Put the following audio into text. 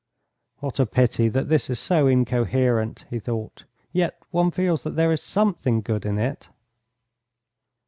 "What a pity that this is so incoherent," he thought, "yet one feels that there is something good in it."